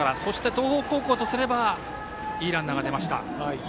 東北高校とすればいいランナーが出ました。